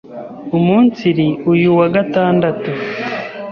i Umunsiri uyu wa Gatandatu